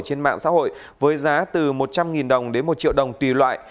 trên mạng xã hội với giá từ một trăm linh đồng đến một triệu đồng tùy loại